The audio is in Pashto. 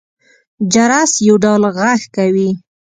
جرس يو ډول غږ کوي.